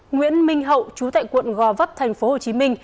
nguyễn minh hậu chú tại quận gò vấp tp hcm